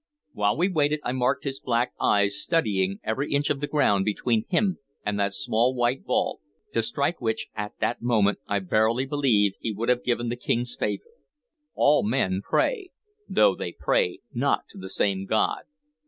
While we waited, I marked his black eyes studying every inch of the ground between him and that small white ball, to strike which, at that moment, I verily believe he would have given the King's favor. All men pray, though they pray not to the same god.